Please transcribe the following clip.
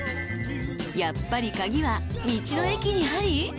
［やっぱり鍵は道の駅にあり！？］